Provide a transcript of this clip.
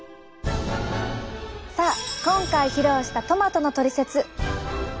さあ今回披露したトマトのトリセツ。